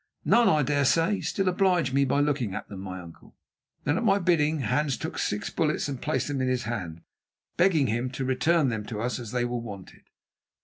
"None, I dare say. Still, oblige me by looking at them, my uncle." Then at my bidding Hans took six bullets and placed them in his hand, begging him to return them to us as they were wanted.